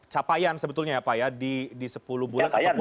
capaian sebetulnya ya pak ya di sepuluh bulan ataupun